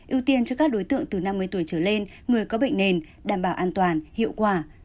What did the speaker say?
ưu tiên cho các đối tượng từ năm mươi tuổi trở lên người có bệnh nền đảm bảo an toàn hiệu quả